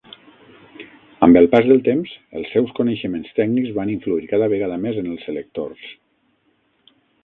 Amb el pas del temps, els seus coneixements tècnics van influir cada vegada més en els selectors.